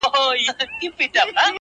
او مخ اړوي له خبرو تل,